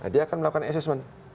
dia akan melakukan assessment